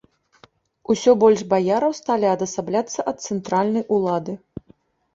Усё больш баяраў сталі адасабляцца ад цэнтральнай улады.